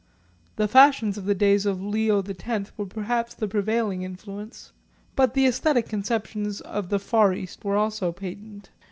The fashions of the days of Leo the Tenth were perhaps the prevailing influence, but the aesthetic conceptions of the far east were also patent.